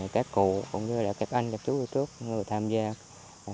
các cụ cũng như là các anh chú trước người tham gia